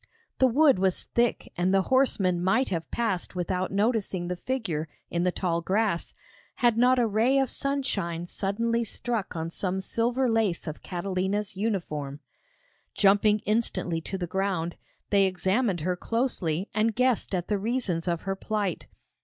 The wood was thick and the horsemen might have passed without noticing the figure in the tall grass, had not a ray of sunshine suddenly struck on some silver lace of Catalina's uniform. Jumping instantly to the ground, they examined her closely and guessed at the reasons of her plight.